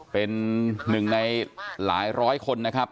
เป็นหนึ่งในหลายร้อยคนนะครับ